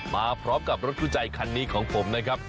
มาพร้อมกับรถคู่ใจคันนี้ของผมนะครับ